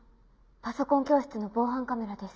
「パソコン教室の防犯カメラです。